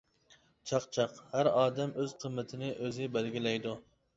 چاقچاق ھە ئادەم ئۆز قىممىتىنى ئۆزى بەلگىلەيدۇ.